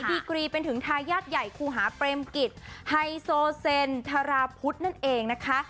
ดีกรีเป็นถึงทายาทใหญ่ครูหาเปรมกิจไฮโซเซนธาราพุทธนั่นเองนะคะ